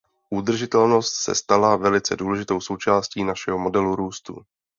Udržitelnost se stala velice důležitou součástí našeho modelu růstu.